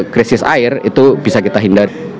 krisis air itu bisa kita hindari